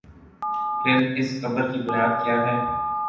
خر اس خبر کی بنیاد کیا ہے؟